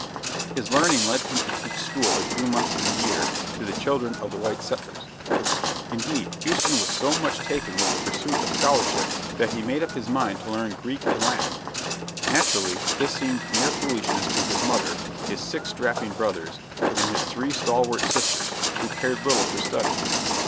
His learning led him to teach school a few months in the year to the children of the white settlers. Indeed, Houston was so much taken with the pursuit of scholarship that he made up his mind to learn Greek and Latin. Naturally, this seemed mere foolishness to his mother, his six strapping brothers, and his three stalwart sisters, who cared little for study.